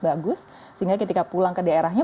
bagus sehingga ketika pulang ke daerahnya